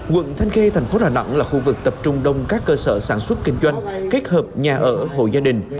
quận thanh khê thành phố đà nẵng là khu vực tập trung đông các cơ sở sản xuất kinh doanh kết hợp nhà ở hộ gia đình